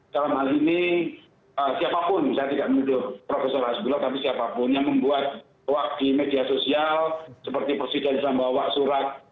dalam hal ini siapapun saya tidak menuduh prof rasulullah tapi siapapun yang membuat waktu media sosial seperti presiden sambawa surat